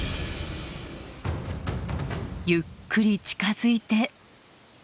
ゆっくり近づいて。